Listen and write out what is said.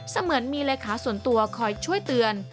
เสมือนมีเลขาส่วนตัวคอยช่วยเตือน